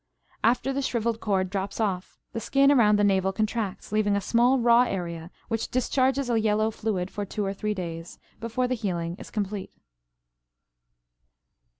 After the shriveled cord drops off, the skin around the navel contracts, leaving a small raw area which discharges a yellow fluid for two or three days before the healing is complete.